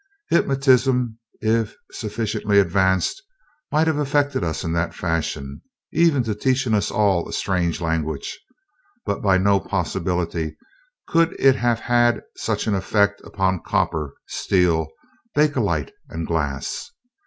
"Hypnotism, if sufficiently advanced, might have affected us in that fashion, even to teaching us all a strange language, but by no possibility could it have had such an effect upon copper, steel, bakelite, and glass.